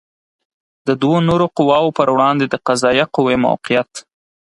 د دوو نورو قواوو پر وړاندې د قضائیه قوې موقعیت